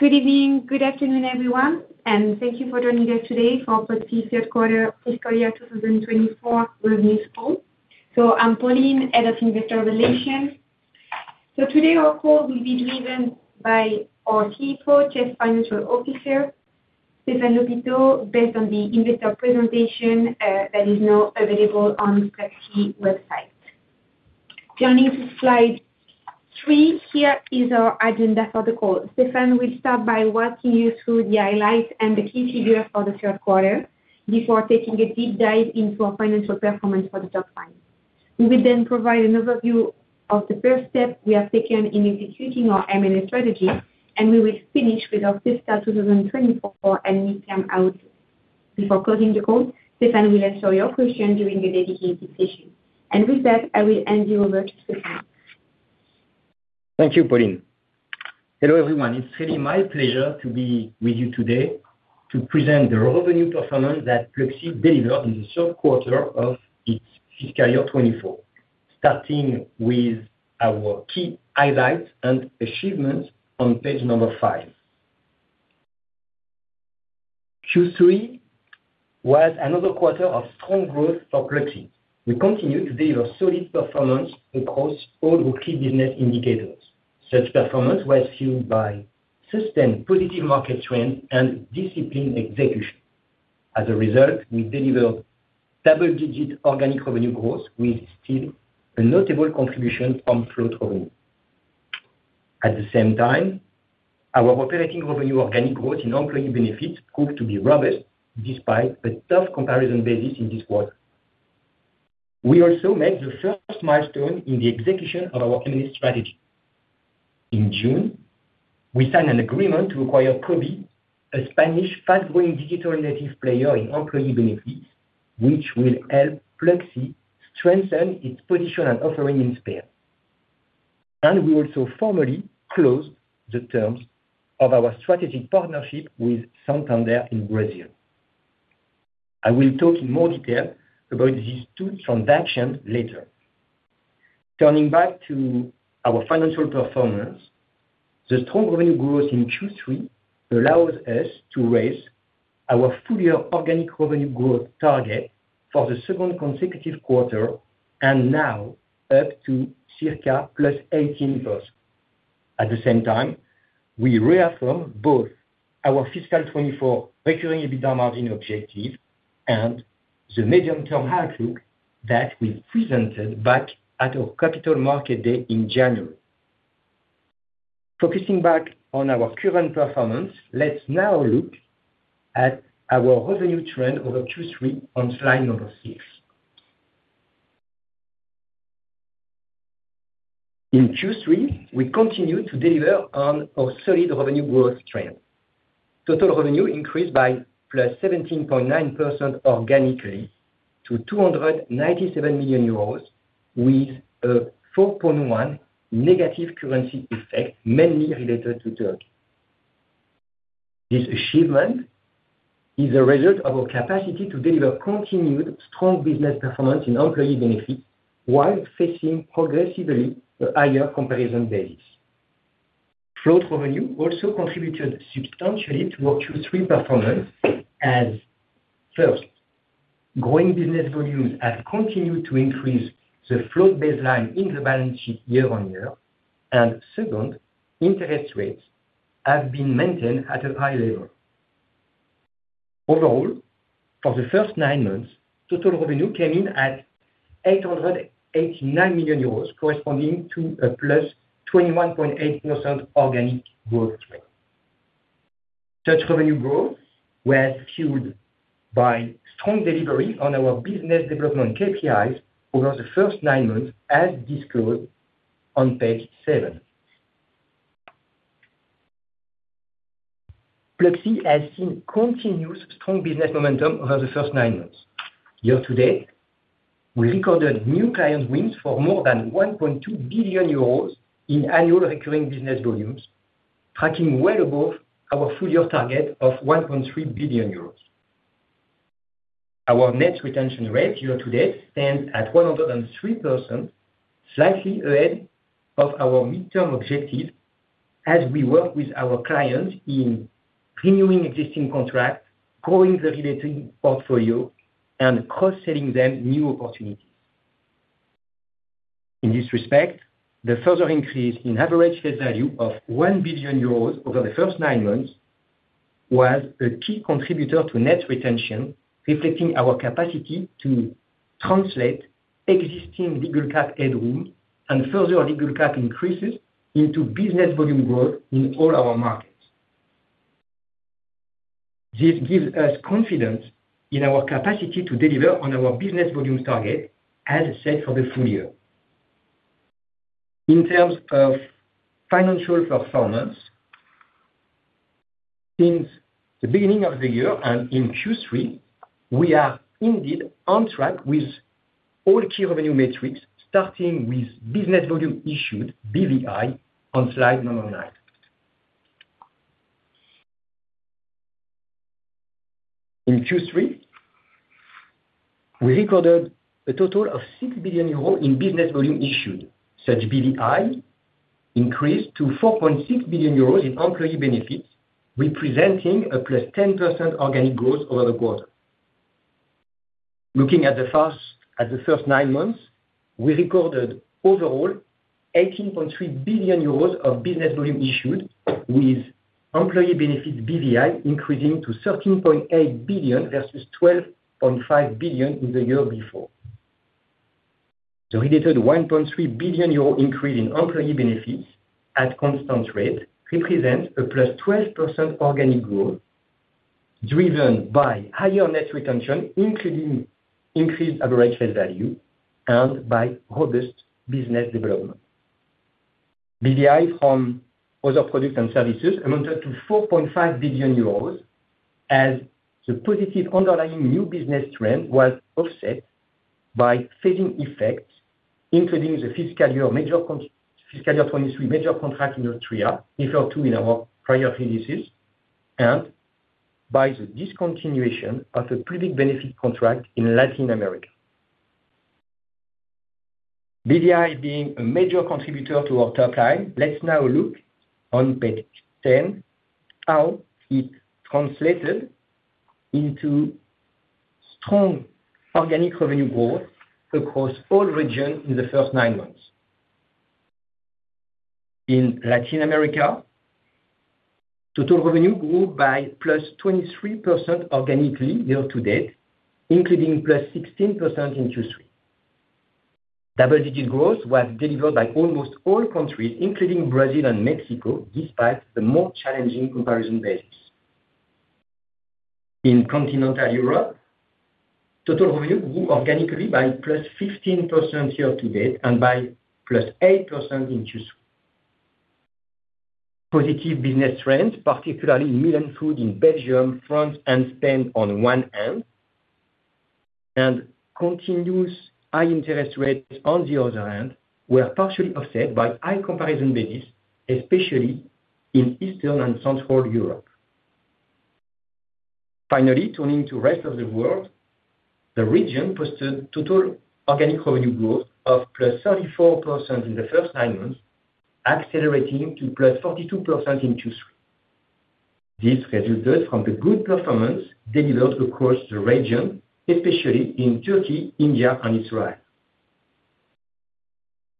Good evening, good afternoon, everyone, and thank you for joining us today for Pluxee Third Quarter Fiscal Year 2024 Revenue Call. So I'm Pauline, Head of Investor Relations. So today, our call will be driven by our CFO, Chief Financial Officer, Stéphane Lhopiteau, based on the investor presentation that is now available on Pluxee's website. Turning to slide three, here is our agenda for the call. Stéphane, we'll start by walking you through the highlights and the key figures for the third quarter before taking a deep dive into our financial performance for the top line. We will then provide an overview of the first steps we have taken in executing our M&A strategy, and we will finish with our fiscal 2024 and midterm outlook. Before closing the call, Stéphane will answer your questions during the dedicated session. And with that, I will hand you over to Stéphane. Thank you, Pauline. Hello, everyone. It's really my pleasure to be with you today to present the revenue performance that Pluxee delivered in the third quarter of its fiscal year 2024, starting with our key highlights and achievements on page 5. Q3 was another quarter of strong growth for Pluxee. We continued to deliver solid performance across all key business indicators. Such performance was fueled by sustained positive market trends and disciplined execution. As a result, we delivered double-digit organic revenue growth, with still a notable contribution from float revenue. At the same time, our operating revenue organic growth in employee benefits proved to be robust despite a tough comparison basis in this quarter. We also met the first milestone in the execution of our M&A strategy. In June, we signed an agreement to acquire Cobee, a Spanish fast-growing digital native player in employee benefits, which will help Pluxee strengthen its position and offering in Spain. We also formally closed the terms of our strategic partnership with Santander in Brazil. I will talk in more detail about these two transactions later. Turning back to our financial performance, the strong revenue growth in Q3 allows us to raise our full-year organic revenue growth target for the second consecutive quarter, and now up to circa +18%. At the same time, we reaffirm both our fiscal 2024 recurring EBITDA margin objective and the medium-term outlook that we presented back at our Capital Markets Day in January. Focusing back on our current performance, let's now look at our revenue trend over Q3 on slide number six. In Q3, we continued to deliver on our solid revenue growth trend. Total revenue increased by +17.9% organically to 297 million euros, with a 4.1% negative currency effect mainly related to Turkey. This achievement is a result of our capacity to deliver continued strong business performance in employee benefits while facing progressively a higher comparison basis. Float revenue also contributed substantially to our Q3 performance, as first, growing business volumes have continued to increase the float baseline in the balance sheet year-over-year, and second, interest rates have been maintained at a high level. Overall, for the first nine months, total revenue came in at 889 million euros, corresponding to a +21.8% organic growth rate. Such revenue growth was fueled by strong delivery on our business development KPIs over the first nine months, as disclosed on page seven. Pluxee has seen continuous strong business momentum over the first nine months. Year to date, we recorded new client wins for more than 1.2 billion euros in annual recurring business volumes, tracking well above our full-year target of 1.3 billion euros. Our net retention rate year to date stands at 103%, slightly ahead of our midterm objective, as we work with our clients in renewing existing contracts, growing the related portfolio, and cross-selling them new opportunities. In this respect, the further increase in average face value of 1 billion euros over the first nine months was a key contributor to net retention, reflecting our capacity to translate existing legal cap headroom and further legal cap increases into business volume growth in all our markets. This gives us confidence in our capacity to deliver on our business volume target, as set for the full year. In terms of financial performance, since the beginning of the year and in Q3, we are indeed on track with all key revenue metrics, starting with business volume issued, BVI, on slide number nine. In Q3, we recorded a total of 6 billion euros in business volume issued. Such BVI increased to 4.6 billion euros in employee benefits, representing a +10% organic growth over the quarter. Looking at the first nine months, we recorded overall 18.3 billion euros of business volume issued, with employee benefits BVI increasing to 13.8 billion versus 12.5 billion in the year before. The related 1.3 billion euro increase in employee benefits at constant rate represents a +12% organic growth driven by higher net retention, including increased average face value, and by robust business development. BVI from other products and services amounted to 4.5 billion euros, as the positive underlying new business trend was offset by phasing effects, including the fiscal year 2023 major contract in Austria, referred to in our prior releases, and by the discontinuation of the public benefit contract in Latin America. BVI being a major contributor to our top line, let's now look on page 10 how it translated into strong organic revenue growth across all regions in the first nine months. In Latin America, total revenue grew by +23% organically year to date, including +16% in Q3. Double-digit growth was delivered by almost all countries, including Brazil and Mexico, despite the more challenging comparison basis. In Continental Europe, total revenue grew organically by +15% year to date and by +8% in Q3. Positive business trends, particularly in meal and food in Belgium, France, and Spain, on one hand, and continuous high interest rates on the other hand, were partially offset by high comparison basis, especially in Eastern and Central Europe. Finally, turning to the Rest of the World, the region posted total organic revenue growth of +34% in the first nine months, accelerating to +42% in Q3. This resulted from the good performance delivered across the region, especially in Turkey, India, and Israel.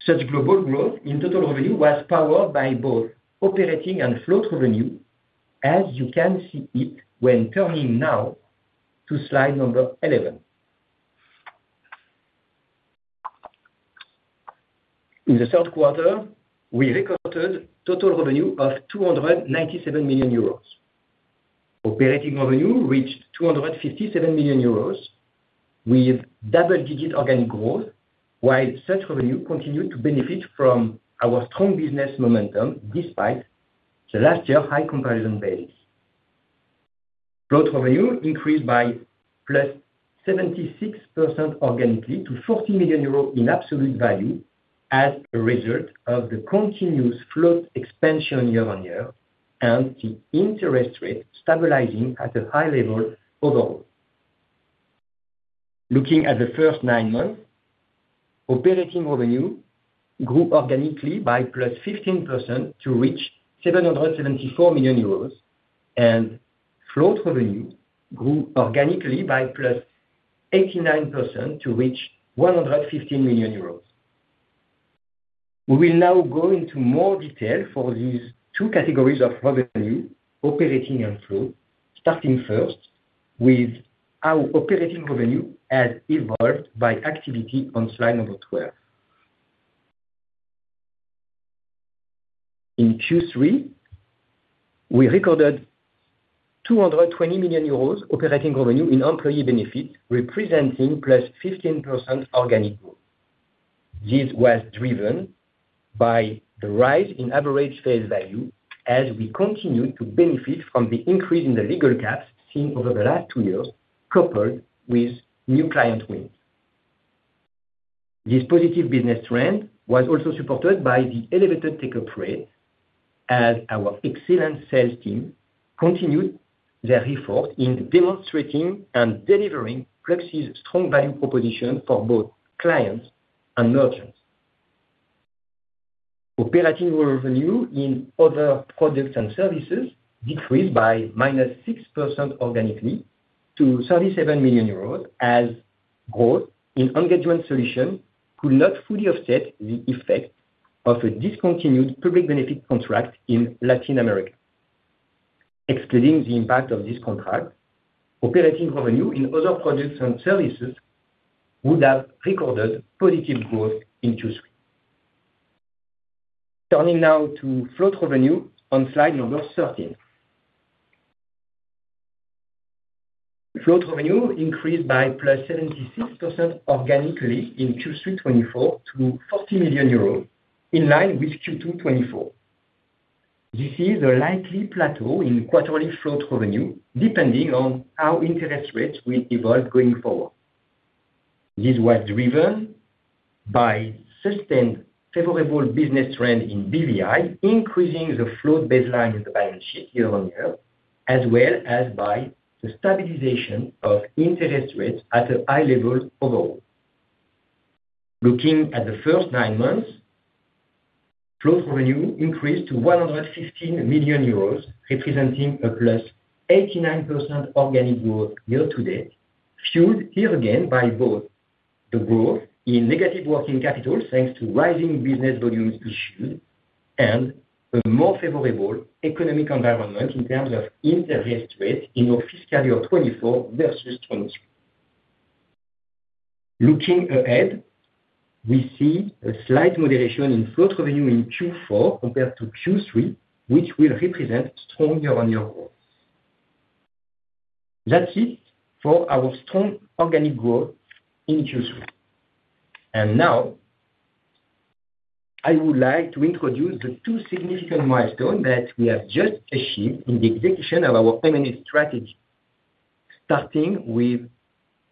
Such global growth in total revenue was powered by both operating and float revenue, as you can see it when turning now to slide number 11. In the third quarter, we recorded total revenue of 297 million euros. Operating revenue reached 257 million euros, with double-digit organic growth, while such revenue continued to benefit from our strong business momentum despite last year's high comparison basis. Float revenue increased by +76% organically to 40 million euros in absolute value, as a result of the continuous float expansion year on year, and the interest rate stabilizing at a high level overall. Looking at the first nine months, operating revenue grew organically by +15% to reach 774 million euros, and float revenue grew organically by +89% to reach 115 million euros. We will now go into more detail for these two categories of revenue, operating and float, starting first with how operating revenue has evolved by activity on slide number 12. In Q3, we recorded 220 million euros operating revenue in employee benefits, representing +15% organic growth. This was driven by the rise in average face value, as we continued to benefit from the increase in the legal caps seen over the last two years, coupled with new client wins. This positive business trend was also supported by the elevated take-up rate, as our excellent sales team continued their effort in demonstrating and delivering Pluxee's strong value proposition for both clients and merchants. Operating revenue in other products and services decreased by -6% organically to 37 million euros, as growth in engagement solutions could not fully offset the effect of a discontinued public benefit contract in Latin America. Excluding the impact of this contract, operating revenue in other products and services would have recorded positive growth in Q3. Turning now to float revenue on slide 13. Float revenue increased by +76% organically in Q3 2024 to 40 million euros, in line with Q2 2024. This is a likely plateau in quarterly float revenue, depending on how interest rates will evolve going forward. This was driven by sustained favorable business trend in BVI, increasing the float baseline in the balance sheet year-on-year, as well as by the stabilization of interest rates at a high level overall. Looking at the first nine months, float revenue increased to 115 million euros, representing +89% organic growth year to date, fueled here again by both the growth in negative working capital, thanks to rising business volumes issued, and a more favorable economic environment in terms of interest rates in our fiscal year 2024 versus 2023. Looking ahead, we see a slight moderation in float revenue in Q4 compared to Q3, which will represent strong year-on-year growth. That's it for our strong organic growth in Q3. Now, I would like to introduce the two significant milestones that we have just achieved in the execution of our M&A strategy, starting with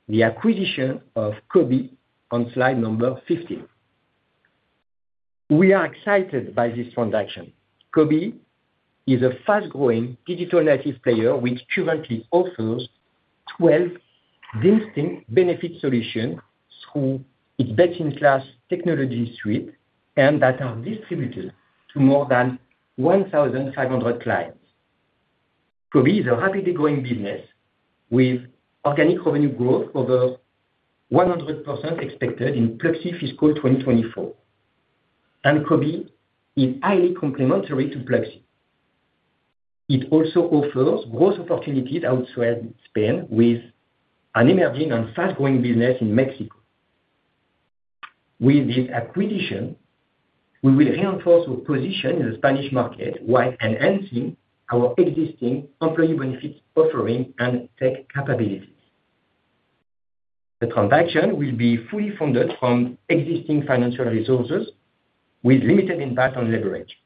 the acquisition of Cobee on slide 15. We are excited by this transaction. Cobee is a fast-growing digital native player, which currently offers 12 distinct benefit solutions through its best-in-class technology suite and that are distributed to more than 1,500 clients. Cobee is a rapidly growing business with organic revenue growth of over 100% expected in Pluxee fiscal 2024, and Cobee is highly complementary to Pluxee. It also offers growth opportunities outside Spain, with an emerging and fast-growing business in Mexico. With this acquisition, we will reinforce our position in the Spanish market while enhancing our existing employee benefits offering and tech capabilities. The transaction will be fully funded from existing financial resources, with limited impact on leverage.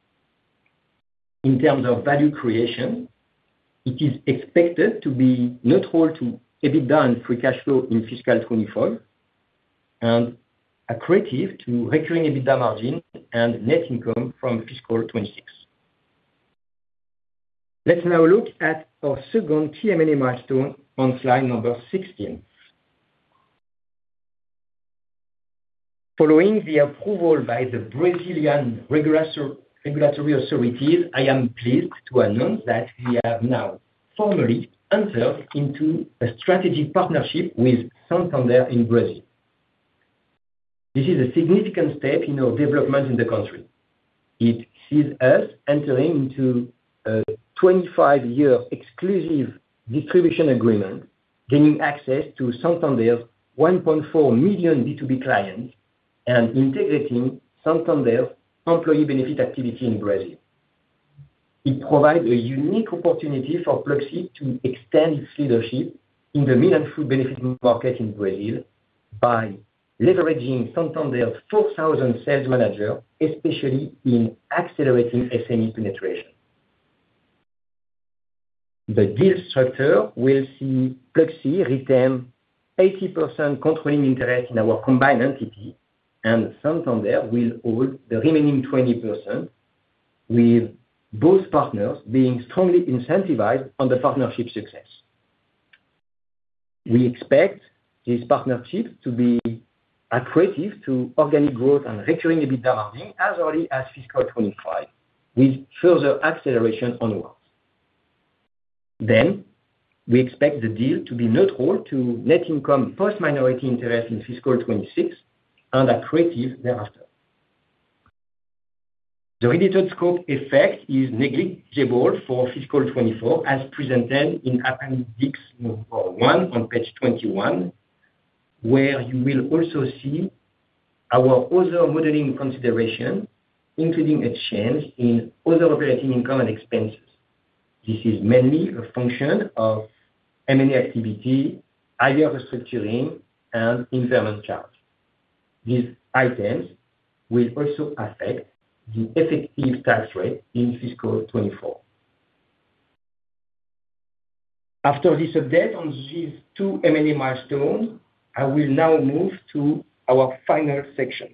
In terms of value creation, it is expected to be neutral to EBITDA and free cash flow in fiscal 2024, and accretive to recurring EBITDA margin and net income from fiscal 2026. Let's now look at our second key M&A milestone on slide number 16. Following the approval by the Brazilian regulatory authorities, I am pleased to announce that we have now formally entered into a strategic partnership with Santander in Brazil. This is a significant step in our development in the country. It sees us entering into a 25-year exclusive distribution agreement, gaining access to Santander's 1.4 million B2B clients and integrating Santander's employee benefit activity in Brazil. It provides a unique opportunity for Pluxee to extend its leadership in the meal and food benefit market in Brazil by leveraging Santander's 4,000 sales managers, especially in accelerating SME penetration. The deal structure will see Pluxee retain 80% controlling interest in our combined entity, and Santander will hold the remaining 20%, with both partners being strongly incentivized on the partnership success. We expect these partnerships to be accretive to organic growth and recurring EBITDA margin as early as fiscal 2025, with further acceleration onwards. Then, we expect the deal to be neutral to net income post-minority interest in fiscal 2026 and accretive thereafter. The related scope effect is negligible for fiscal 2024, as presented in Appendix 1 on page 21, where you will also see our other modeling consideration, including a change in other operating income and expenses. This is mainly a function of M&A activity, IT restructuring, and impairment charge. These items will also affect the effective tax rate in fiscal 2024. After this update on these two M&A milestones, I will now move to our final section,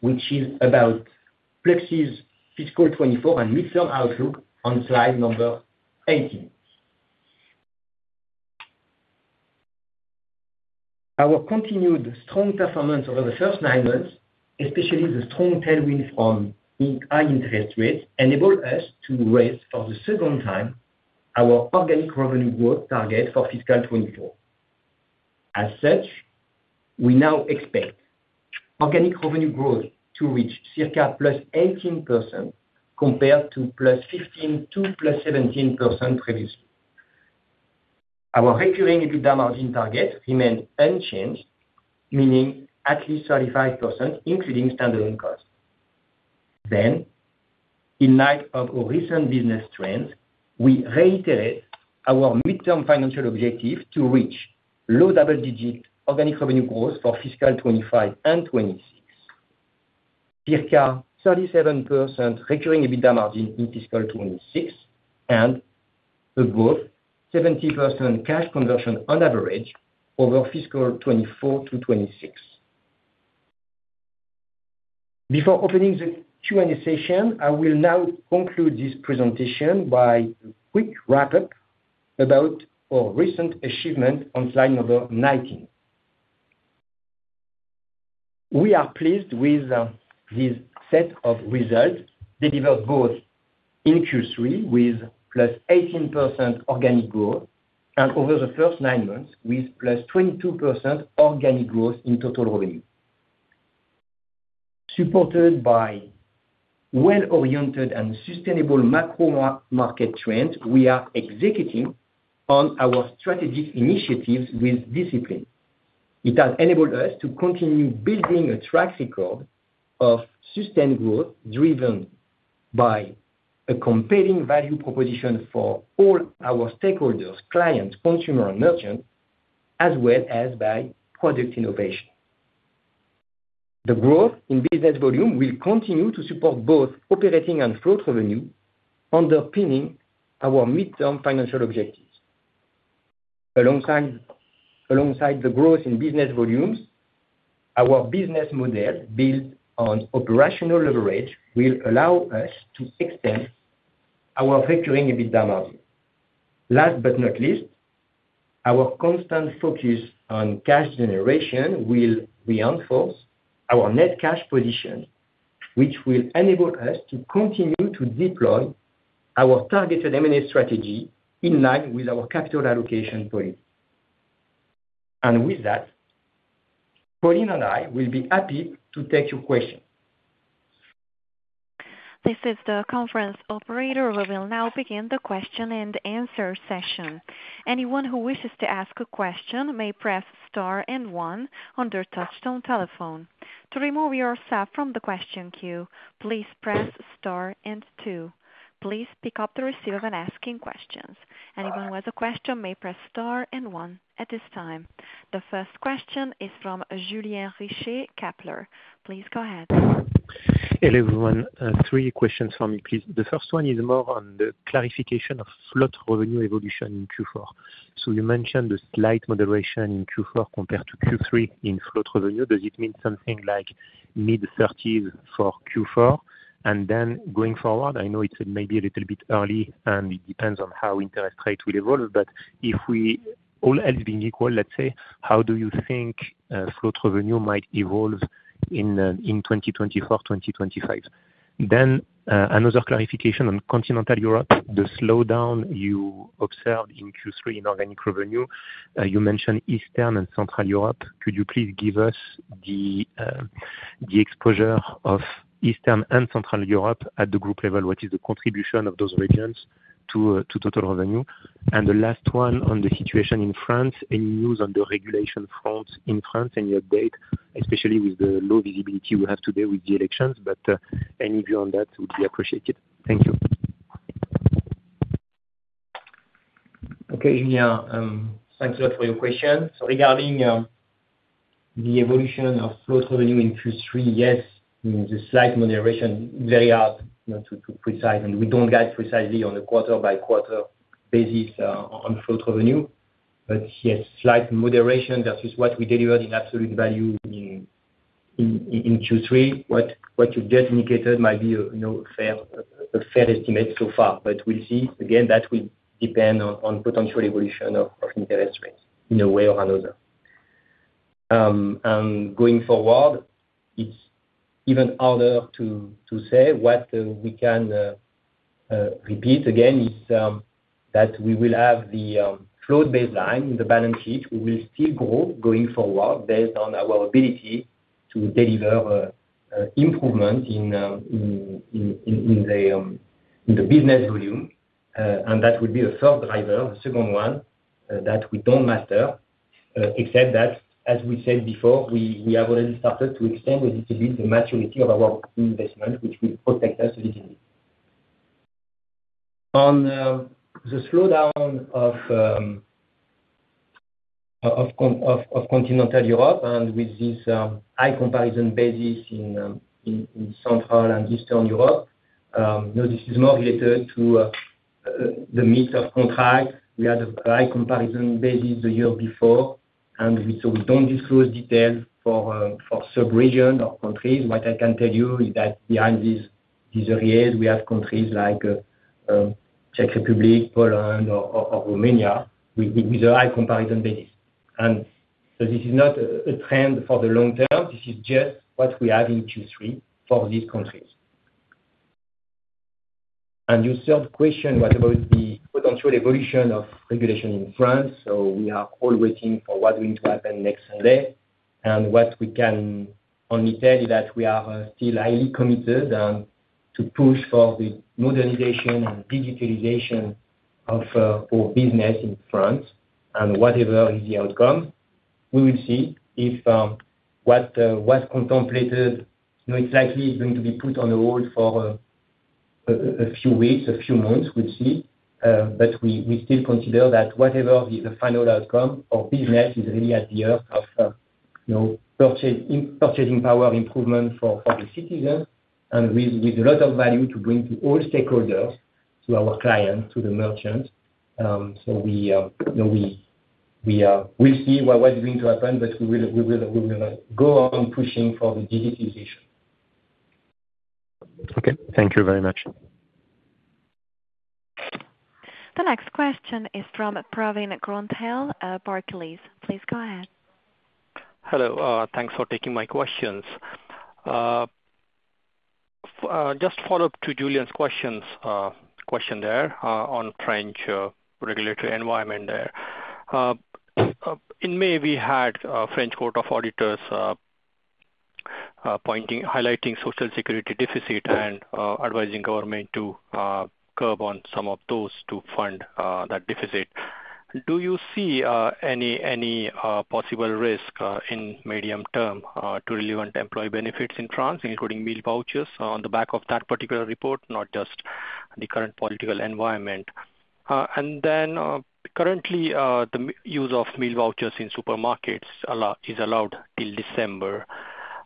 which is about Pluxee's fiscal 2024 and midterm outlook on slide number 18. Our continued strong performance over the first nine months, especially the strong tailwind from high interest rates, enabled us to raise for the second time our organic revenue growth target for fiscal 2024. As such, we now expect organic revenue growth to reach circa +18% compared to +15% to +17% previously. Our recurring EBITDA margin target remained unchanged, meaning at least 35%, including standalone costs. Then, in light of our recent business trends, we reiterate our midterm financial objective to reach low double-digit organic revenue growth for fiscal 2025 and 2026, circa 37% recurring EBITDA margin in fiscal 2026, and above 70% cash conversion on average over fiscal 2024 to 2026. Before opening the Q&A session, I will now conclude this presentation by a quick wrap-up about our recent achievement on slide number 19. We are pleased with this set of results delivered both in Q3 with +18% organic growth and over the first nine months with +22% organic growth in total revenue. Supported by well-oriented and sustainable macro market trends, we are executing on our strategic initiatives with discipline. It has enabled us to continue building a track record of sustained growth driven by a compelling value proposition for all our stakeholders, clients, consumers, and merchants, as well as by product innovation. The growth in business volume will continue to support both operating and float revenue, underpinning our midterm financial objectives. Alongside the growth in business volumes, our business model built on operational leverage will allow us to extend our recurring EBITDA margin. Last but not least, our constant focus on cash generation will reinforce our net cash position, which will enable us to continue to deploy our targeted M&A strategy in line with our capital allocation policy. And with that, Pauline and I will be happy to take your questions. This is the conference operator. We will now begin the question-and-answer session. Anyone who wishes to ask a question may press star and one on their touchtone telephone. To remove yourself from the question queue, please press star and two. Please pick up the receiver when asking questions. Anyone with a question may press star and one at this time. The first question is from Julien Richer. Please go ahead. Hello everyone. Three questions for me, please. The first one is more on the clarification of float revenue evolution in Q4. You mentioned the slight moderation in Q4 compared to Q3 in float revenue. Does it mean something like mid-30s for Q4? Going forward, I know it's maybe a little bit early, and it depends on how interest rates will evolve, but if all else being equal, let's say, how do you think float revenue might evolve in 2024, 2025? Another clarification on Continental Europe, the slowdown you observed in Q3 in organic revenue. You mentioned Eastern and Central Europe. Could you please give us the exposure of Eastern and Central Europe at the group level? What is the contribution of those regions to total revenue? The last one on the situation in France, any news on the regulation front in France and your take, especially with the low visibility we have today with the elections? Any view on that would be appreciated. Thank you. Okay, Julien, thank you for your question. So regarding the evolution of float revenue in Q3, yes, the slight moderation, very hard to precise, and we don't guide precisely on a quarter-by-quarter basis on float revenue. But yes, slight moderation versus what we delivered in absolute value in Q3, what you just indicated might be a fair estimate so far. But we'll see. Again, that will depend on potential evolution of interest rates in a way or another. And going forward, it's even harder to say. What we can repeat again is that we will have the float baseline in the balance sheet. We will still grow going forward based on our ability to deliver improvements in the business volume. That will be a first driver, a second one that we don't master, except that, as we said before, we have already started to extend a little bit the maturity of our investment, which will protect us a little bit. On the slowdown of Continental Europe and with this high comparison basis in Central and Eastern Europe, this is more related to the midterm contract. We had a high comparison basis the year before. And so we don't disclose details for sub-regions or countries. What I can tell you is that behind these areas, we have countries like the Czech Republic, Poland, or Romania with a high comparison basis. And so this is not a trend for the long term. This is just what we have in Q3 for these countries. And your third question was about the potential evolution of regulation in France. So we are all waiting for what's going to happen next Sunday. And what we can only tell you that we are still highly committed to push for the modernization and digitalization of our business in France. And whatever is the outcome, we will see if what was contemplated, it's likely going to be put on the hold for a few weeks, a few months, we'll see. But we still consider that whatever is the final outcome of business is really at the heart of purchasing power improvement for the citizens and with a lot of value to bring to all stakeholders, to our clients, to the merchants. So we will see what's going to happen, but we will go on pushing for the digitalization. Okay. Thank you very much. The next question is from Praveen Gupta, Barclays. Please go ahead. Hello. Thanks for taking my questions. Just follow up to Julien's question there on French regulatory environment there. In May, we had French Court of Auditors highlighting social security deficit and advising government to curb on some of those to fund that deficit. Do you see any possible risk in medium term to relevant employee benefits in France, including meal vouchers on the back of that particular report, not just the current political environment? And then currently, the use of meal vouchers in supermarkets is allowed till December.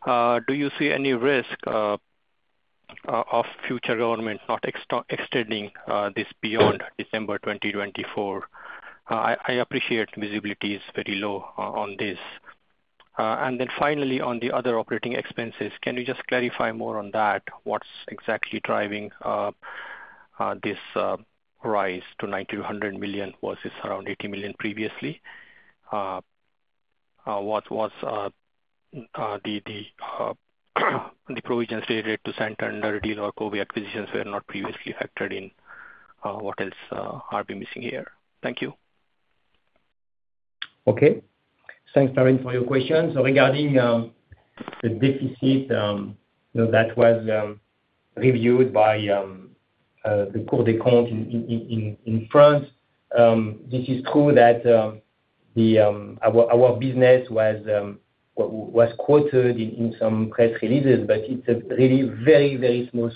Do you see any risk of future government not extending this beyond December 2024? I appreciate visibility is very low on this. And then finally, on the other operating expenses, can you just clarify more on that? What's exactly driving this rise to 9,200 million versus around 80 million previously? What was the provisions related to Santander deal or Cobee acquisitions were not previously factored in? What else are we missing here? Thank you. Okay. Thanks, Praveen, for your questions. So regarding the deficit that was reviewed by the Cour des comptes in France, this is true that our business was quoted in some press releases, but it's a really very, very small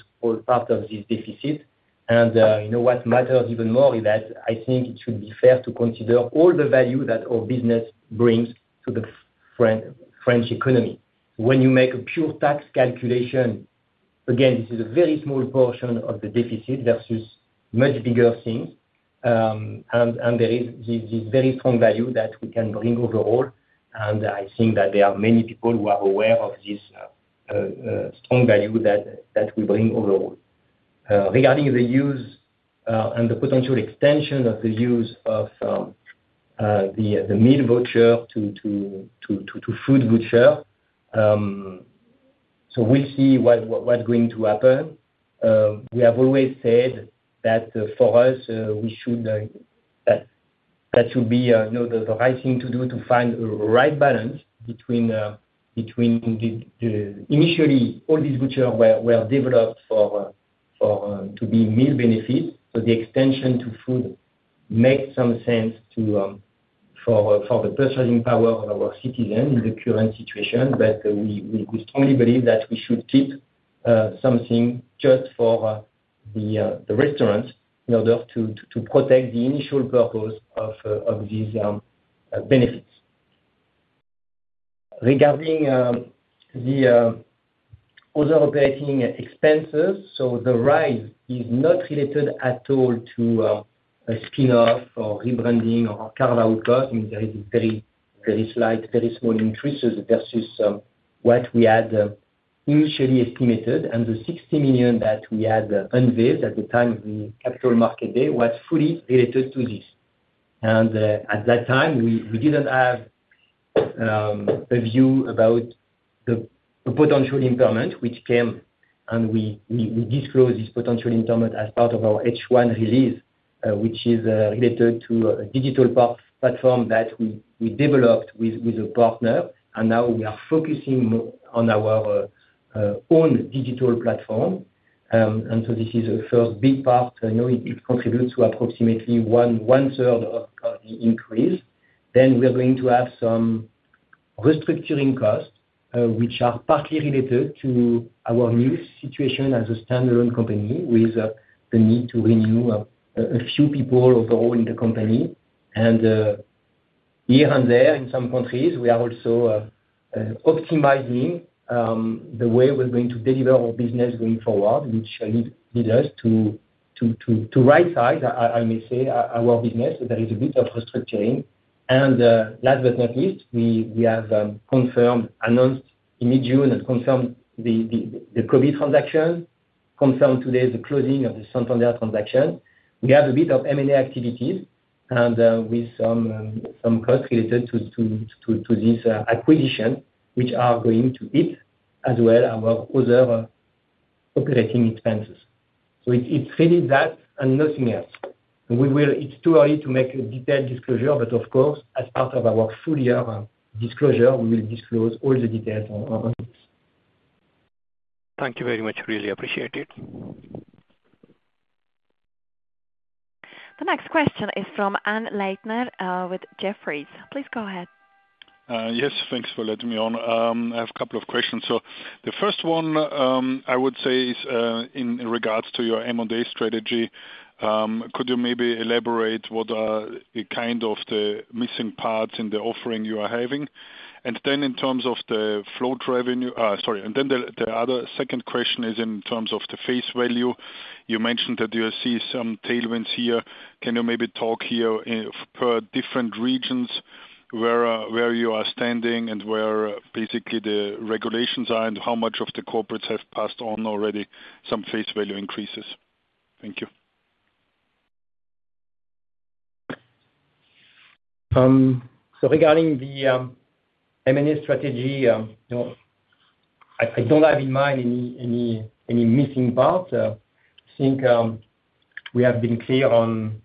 part of this deficit. And what matters even more is that I think it should be fair to consider all the value that our business brings to the French economy. When you make a pure tax calculation, again, this is a very small portion of the deficit versus much bigger things. And there is this very strong value that we can bring overall. And I think that there are many people who are aware of this strong value that we bring overall. Regarding the use and the potential extension of the use of the meal voucher to food voucher, so we'll see what's going to happen. We have always said that for us, that should be the right thing to do to find the right balance between initially, all these vouchers were developed to be meal benefits. So the extension to food makes some sense for the purchasing power of our citizens in the current situation. But we strongly believe that we should keep something just for the restaurants in order to protect the initial purpose of these benefits. Regarding the other operating expenses, so the rise is not related at all to spin-off or rebranding or carve-out costs. I mean, there is a very, very slight, very small increase versus what we had initially estimated. The 60 million that we had unveiled at the time of the Capital Markets Day was fully related to this. At that time, we didn't have a view about the potential impairment which came. We disclosed this potential impairment as part of our H1 release, which is related to a digital platform that we developed with a partner. Now we are focusing on our own digital platform. So this is the first big part. It contributes to approximately one-third of the increase. Then we're going to have some restructuring costs, which are partly related to our new situation as a standalone company with the need to renew a few people overall in the company. Here and there, in some countries, we are also optimizing the way we're going to deliver our business going forward, which leads us to right-size, I may say, our business. There is a bit of restructuring. Last but not least, we have confirmed, announced in mid-June and confirmed the Cobee transaction, confirmed today the closing of the Santander transaction. We have a bit of M&A activities and with some costs related to this acquisition, which are going to eat as well our other operating expenses. So it's really that and nothing else. It's too early to make a detailed disclosure, but of course, as part of our full year disclosure, we will disclose all the details on this. Thank you very much. Really appreciate it. The next question is from Hannes Leitner with Jefferies. Please go ahead. Yes, thanks for letting me on. I have a couple of questions. So the first one, I would say, is in regards to your M&A strategy. Could you maybe elaborate what are kind of the missing parts in the offering you are having? And then in terms of the float revenue, sorry. And then the other second question is in terms of the face value. You mentioned that you see some tailwinds here. Can you maybe talk here per different regions where you are standing and where basically the regulations are and how much of the corporates have passed on already some face value increases? Thank you. Regarding the M&A strategy, I don't have in mind any missing parts. I think we have been clear on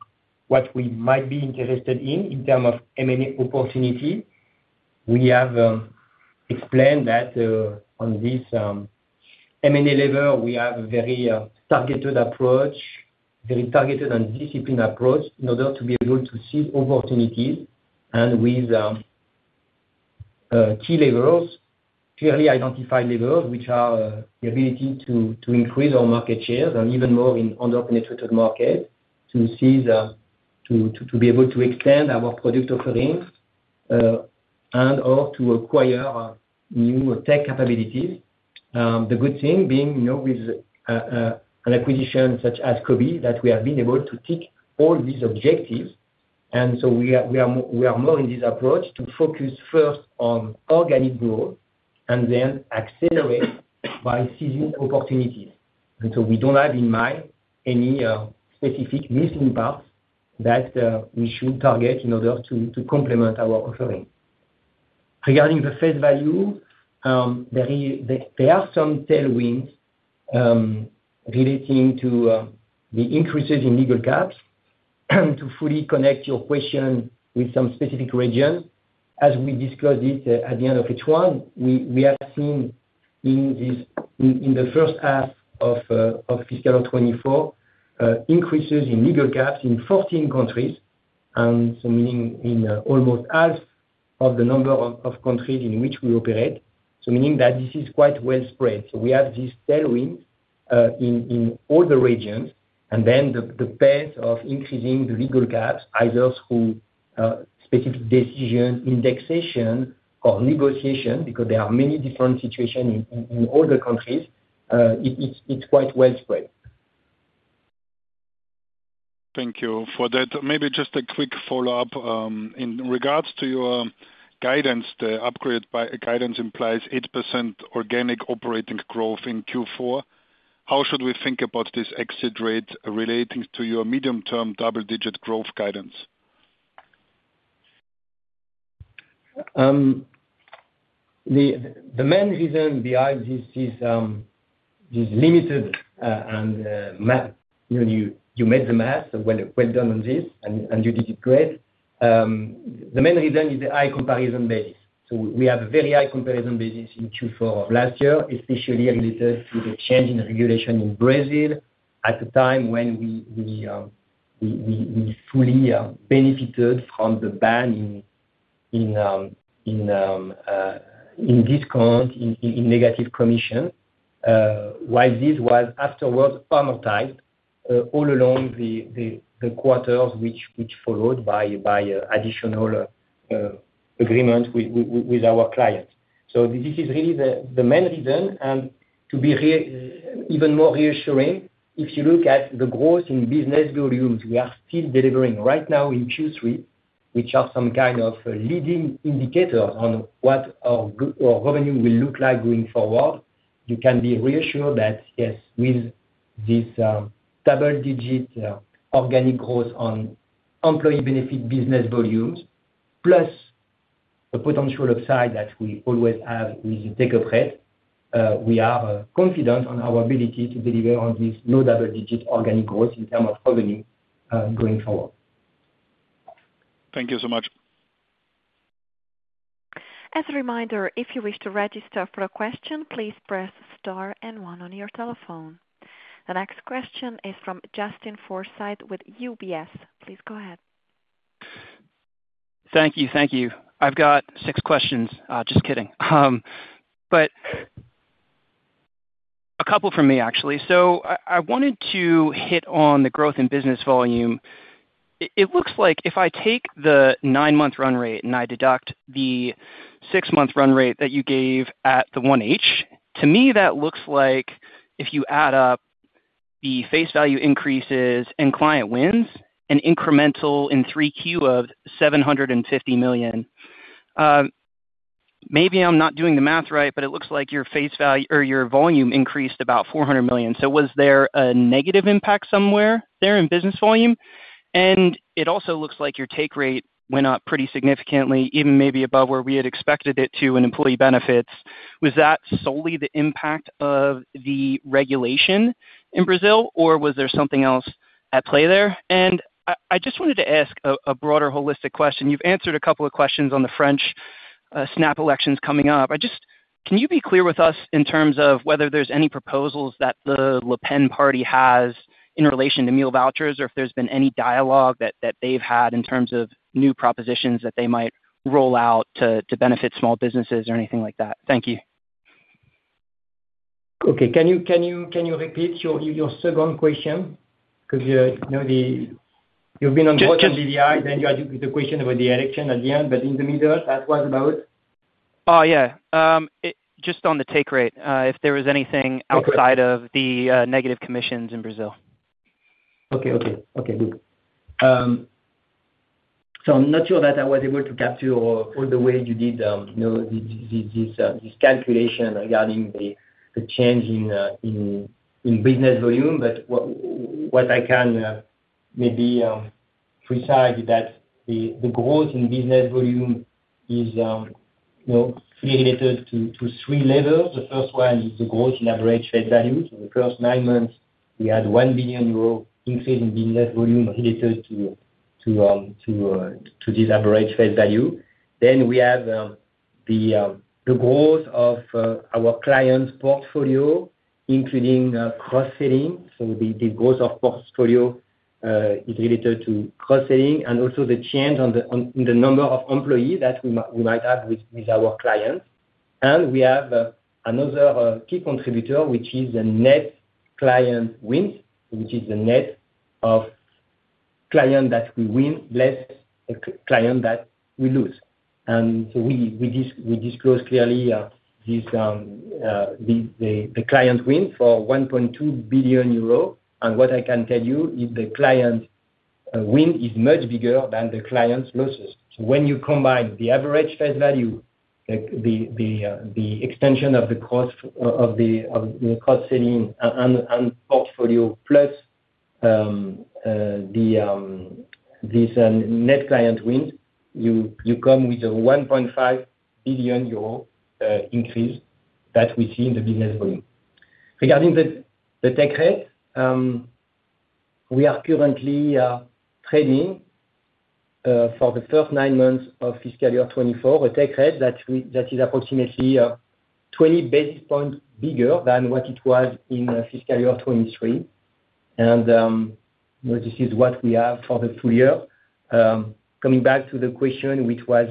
what we might be interested in in terms of M&A opportunity. We have explained that on this M&A level, we have a very targeted approach, very targeted and disciplined approach in order to be able to see opportunities and with key levels, clearly identified levels, which are the ability to increase our market shares and even more in underpenetrated markets to be able to extend our product offerings and/or to acquire new tech capabilities. The good thing being with an acquisition such as Cobee that we have been able to tick all these objectives. And so we are more in this approach to focus first on organic growth and then accelerate by seizing opportunities. And so we don't have in mind any specific missing parts that we should target in order to complement our offering. Regarding the face value, there are some tailwinds relating to the increases in legal caps. To fully connect your question with some specific regions, as we disclosed it at the end of H1, we have seen in the first half of fiscal year 2024, increases in legal caps in 14 countries, meaning in almost half of the number of countries in which we operate. So meaning that this is quite well spread. So we have these tailwinds in all the regions. And then the pace of increasing the legal caps, either through specific decision indexation or negotiation, because there are many different situations in all the countries, it's quite well spread. Thank you for that. Maybe just a quick follow-up. In regards to your guidance, the upgraded guidance implies 8% organic operating growth in Q4. How should we think about this exit rate relating to your medium-term double-digit growth guidance? The main reason behind this is limited and you made the math. Well done on this, and you did it great. The main reason is the high comparison basis. So we have a very high comparison basis in Q4 of last year, especially related to the change in regulation in Brazil at the time when we fully benefited from the ban in discount, in negative commission, while this was afterwards amortized all along the quarters which followed by additional agreements with our clients. So this is really the main reason. And to be even more reassuring, if you look at the growth in business volumes, we are still delivering right now in Q3, which are some kind of leading indicators on what our revenue will look like going forward. You can be reassured that, yes, with this double-digit organic growth on employee benefit business volumes, plus the potential upside that we always have with the take-up rate, we are confident on our ability to deliver on this low double-digit organic growth in terms of revenue going forward. Thank you so much. As a reminder, if you wish to register for a question, please press star and one on your telephone. The next question is from Justin Forsythe with UBS. Please go ahead. Thank you. Thank you. I've got six questions. Just kidding. But a couple from me, actually. So I wanted to hit on the growth in business volume. It looks like if I take the 9-month run rate and I deduct the 6-month run rate that you gave at the 1H, to me, that looks like if you add up the face value increases and client wins and incremental in 3Q of 750 million, maybe I'm not doing the math right, but it looks like your face value or your volume increased about 400 million. So was there a negative impact somewhere there in business volume? And it also looks like your take rate went up pretty significantly, even maybe above where we had expected it to in employee benefits. Was that solely the impact of the regulation in Brazil, or was there something else at play there? And I just wanted to ask a broader holistic question. You've answered a couple of questions on the French snap elections coming up. Can you be clear with us in terms of whether there's any proposals that the Le Pen party has in relation to meal vouchers or if there's been any dialogue that they've had in terms of new propositions that they might roll out to benefit small businesses or anything like that? Thank you. Okay. Can you repeat your second question? Because you've been on the broadcast and then you had the question about the election at the end, but in the middle, that was about? Oh, yeah. Just on the take rate, if there was anything outside of the negative commissions in Brazil. Okay. Okay. Okay. Good. So I'm not sure that I was able to capture all the way you did this calculation regarding the change in business volume, but what I can maybe specify is that the growth in business volume is related to three levels. The first one is the growth in average face value. The first nine months, we had 1 billion euro increase in business volume related to this average face value. We have the growth of our client's portfolio, including cross-selling. The growth of portfolio is related to cross-selling and also the change in the number of employees that we might have with our clients. We have another key contributor, which is the net client wins, which is the net of client that we win less client that we lose. We disclose clearly the client wins for 1.2 billion euro. What I can tell you is the client win is much bigger than the client's losses. So when you combine the average face value, the extension of the cross-selling and portfolio plus this net client wins, you come with a 1.5 billion euro increase that we see in the business volume. Regarding the take rate, we are currently trading for the first nine months of fiscal year 2024, a take rate that is approximately 20 basis points bigger than what it was in fiscal year 2023. And this is what we have for the full year. Coming back to the question which was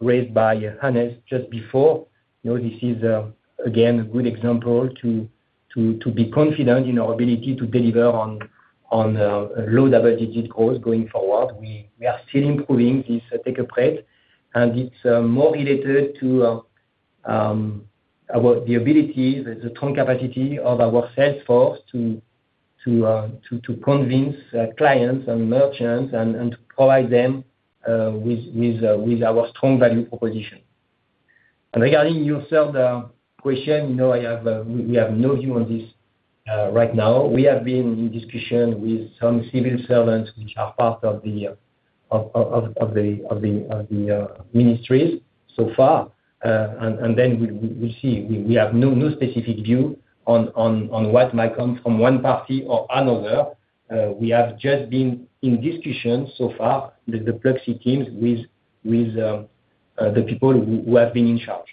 raised by Hannes just before, this is again a good example to be confident in our ability to deliver on low double-digit growth going forward. We are still improving this take-up rate. And it's more related to the ability, the strong capacity of our sales force to convince clients and merchants and to provide them with our strong value proposition. And regarding your third question, we have no view on this right now. We have been in discussion with some civil servants which are part of the ministries so far. And then we'll see. We have no specific view on what might come from one party or another. We have just been in discussion so far, the Pluxee teams, with the people who have been in charge.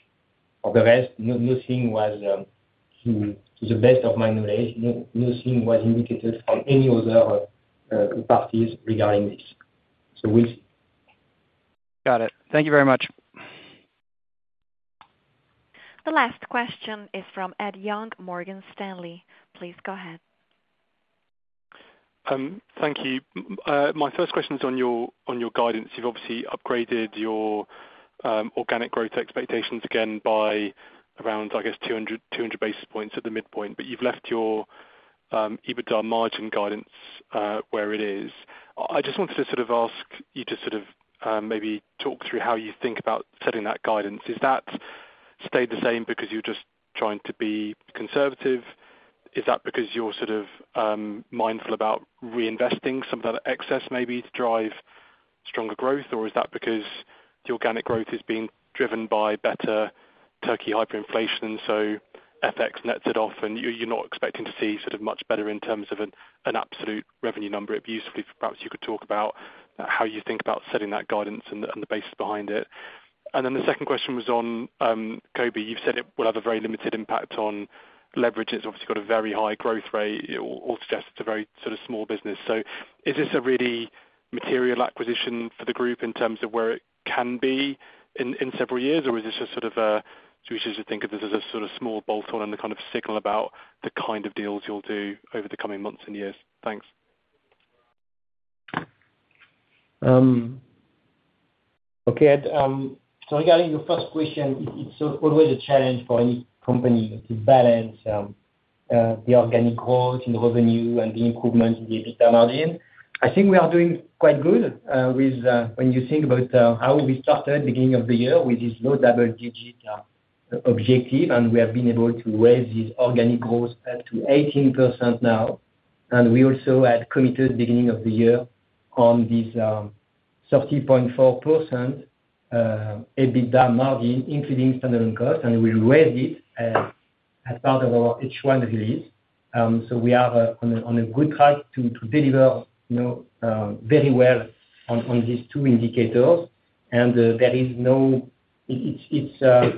For the rest, nothing was, to the best of my knowledge, nothing was indicated from any other parties regarding this. So we'll see. Got it. Thank you very much. The last question is from Ed Young, Morgan Stanley. Please go ahead. Thank you. My first question is on your guidance. You've obviously upgraded your organic growth expectations again by around, I guess, 200 basis points at the midpoint, but you've left your EBITDA margin guidance where it is. I just wanted to sort of ask you to sort of maybe talk through how you think about setting that guidance. Is that stayed the same because you're just trying to be conservative? Is that because you're sort of mindful about reinvesting some of that excess maybe to drive stronger growth? Or is that because the organic growth is being driven by better Turkey hyperinflation? So FX nets it off, and you're not expecting to see sort of much better in terms of an absolute revenue number. It'd be useful if perhaps you could talk about how you think about setting that guidance and the basis behind it. And then the second question was on Cobee. You've said it will have a very limited impact on leverage. It's obviously got a very high growth rate. It all suggests it's a very sort of small business. So is this a really material acquisition for the group in terms of where it can be in several years, or is this just sort of a so we should just think of this as a sort of small bolt-on and a kind of signal about the kind of deals you'll do over the coming months and years? Thanks. Okay. So regarding your first question, it's always a challenge for any company to balance the organic growth in the revenue and the improvement in the EBITDA margin. I think we are doing quite good when you think about how we started at the beginning of the year with this low double-digit objective, and we have been able to raise this organic growth up to 18% now. And we also had committed at the beginning of the year on this 30.4% EBITDA margin, including standalone costs, and we raised it as part of our H1 release. So we are on a good track to deliver very well on these two indicators. And there is no we are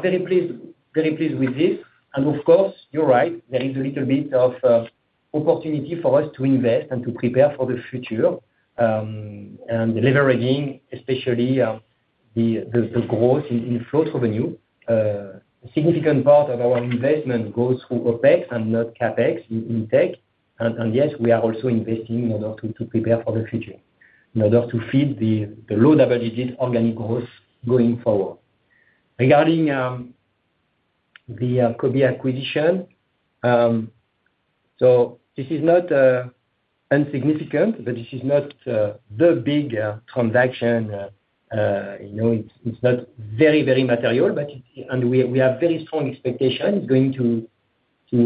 very pleased with this. And of course, you're right, there is a little bit of opportunity for us to invest and to prepare for the future. And leveraging, especially the growth in float revenue, a significant part of our investment goes through OpEx and not CapEx in tech. And yes, we are also investing in order to prepare for the future, in order to feed the low double-digit organic growth going forward. Regarding the Cobee acquisition, so this is not insignificant, but this is not the big transaction. It's not very, very material, and we have very strong expectations. It's going to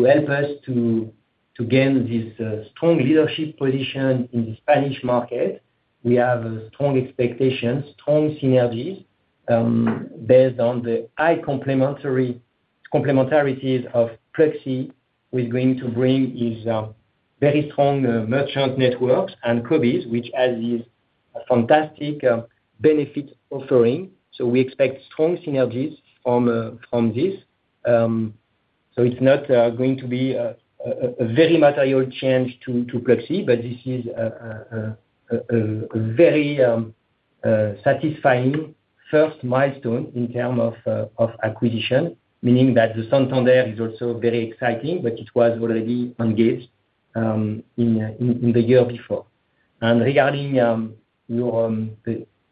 help us to gain this strong leadership position in the Spanish market. We have strong expectations, strong synergies based on the high complementarities of Pluxee, which is going to bring very strong merchant networks and Cobee, which has this fantastic benefit offering. So we expect strong synergies from this. So it's not going to be a very material change to Pluxee, but this is a very satisfying first milestone in terms of acquisition, meaning that the Santander is also very exciting, but it was already engaged in the year before. And regarding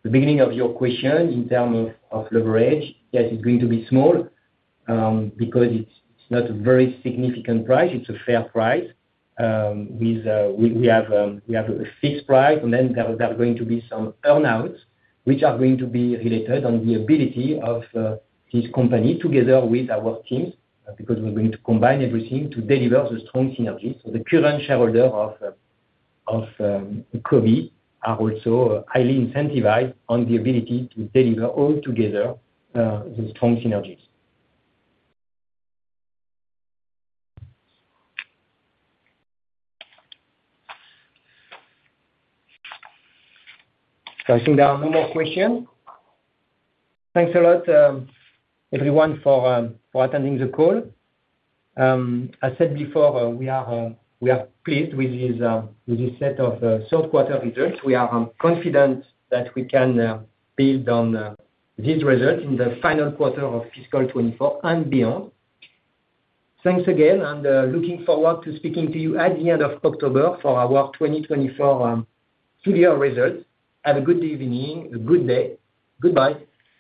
the beginning of your question in terms of leverage, yes, it's going to be small because it's not a very significant price. It's a fair price. We have a fixed price, and then there are going to be some earn-outs which are going to be related to the ability of this company together with our teams because we're going to combine everything to deliver the strong synergies. The current shareholders of Cobee are also highly incentivized to deliver all together the strong synergies. I think there are no more questions. Thanks a lot, everyone, for attending the call. As said before, we are pleased with this set of third-quarter results. We are confident that we can build on these results in the final quarter of fiscal 2024 and beyond. Thanks again, and looking forward to speaking to you at the end of October for our 2024 full-year results. Have a good evening, a good day. Goodbye.